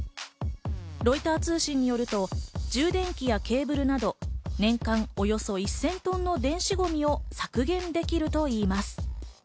ロイター通信によると、充電器やケーブルなど、年間およそ１０００トンの電子ゴミを削減できるといいます。